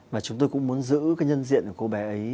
và chúng tôi cũng muốn giữ cái nhân diện của cô bé ấy